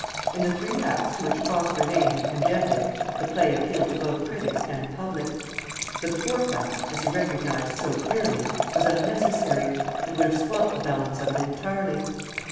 In the three acts to which Prosper Vane had condemned it the play appealed to both critics and public; for the Fourth Act (as he recognised so clearly) was unnecessary, and would have spoilt the balance of it entirely.